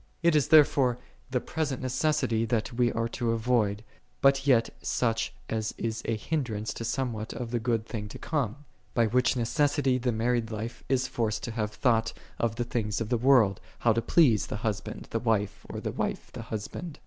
14. It is, therefore, the present MC< that we are to .ivoid, but yet such as is a hindrance to somewhat of the good things to come; by which necessity the married life is forced to have thought of the things of the world, how to please, the husband the wife, or the wife the husband.